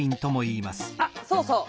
あっそうそう。